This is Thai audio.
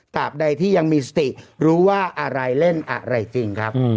บใดที่ยังมีสติรู้ว่าอะไรเล่นอะไรจริงครับ